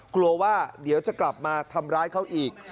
กลัวว่าเดี๋ยวจะกลับมาทำร้ายเขาอีก